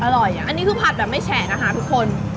อร่อยอ่ะอันนี้คือผัดแบบไม่แฉะนะคะทุกคน